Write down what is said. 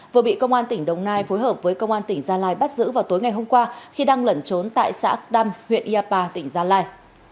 vừa bị công an tỉnh đồng nai phối hợp với công an tỉnh gia lai bắt giữ vào tối ngày hôm qua khi đang lẩn trốn tại xã đăng huyện iapa tỉnh gia lai